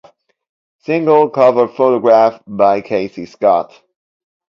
Single cover photograph by Casey Scott.